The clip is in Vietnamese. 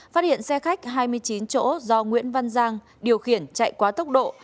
phát hiện xe khách hai mươi chín chỗ do nguyễn văn giang điều khiển chạy quá tốc độ